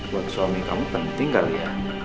buat suami kamu penting tinggal ya